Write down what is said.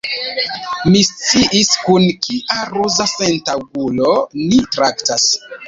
Mi sciis, kun kia ruza sentaŭgulo ni traktas.